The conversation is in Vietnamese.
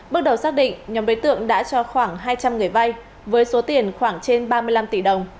bước đầu xác định nhóm đối tượng đã cho khoảng hai trăm linh người vay với số tiền khoảng trên ba mươi năm tỷ đồng